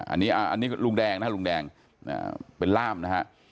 อันนี้ลุงแดงนะลุงแดงเป็นล่ามนะฮะ